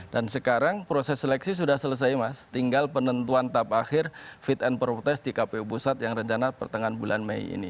dan sekarang proses seleksi sudah selesai mas tinggal penentuan tahap akhir fit and proper test di kpu pusat yang rencana pertengahan bulan mei ini